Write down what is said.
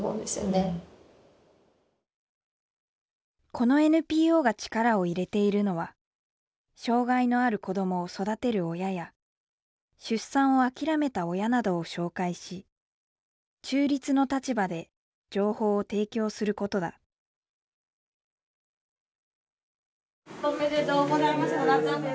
このＮＰＯが力を入れているのは障害のある子どもを育てる親や出産を諦めた親などを紹介し中立の立場で情報を提供することだおめでとうございます。